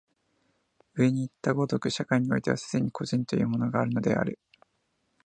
上にいった如く、社会においては既に個人というものがあるのである。